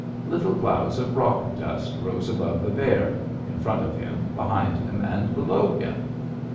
Little clouds of rock dust rose above the bear, in front of him, behind him, and below him.